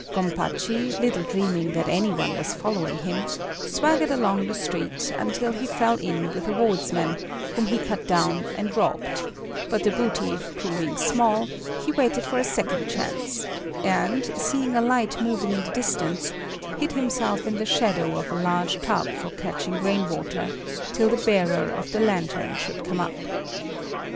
Gompachi, little dreaming that any one was following him, swaggered along the street until he fell in with a wardsman, whom he cut down and robbed; but the booty proving small, he waited for a second chance, and, seeing a light moving in the distance, hid himself in the shadow of a large tub for catching rain water till the bearer of the lantern should come up.